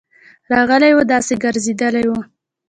راغلی وو، داسي ګرځيدلی وو: